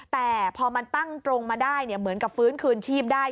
แต่พอมันตั้งตรงมาได้เหมือนกับฟื้นคืนชีพได้